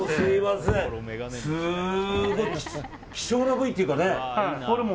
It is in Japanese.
すごい、希少な部位というかね。